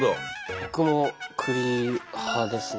僕も栗派ですね。